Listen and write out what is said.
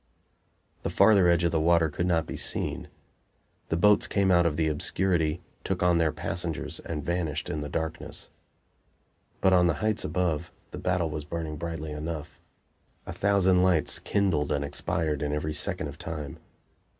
The farther edge of the water could not be seen; the boats came out of the obscurity, took on their passengers and vanished in the darkness. But on the heights above, the battle was burning brightly enough; a thousand lights kindled and expired in every second of time.